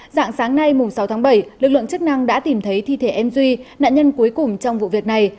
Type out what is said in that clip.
dạng sáng nay sáu tháng bảy lực lượng chức năng đã tìm thấy thi thể m duy nạn nhân cuối cùng trong vụ việc này